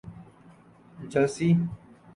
Jersey